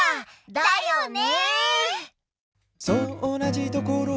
だよね！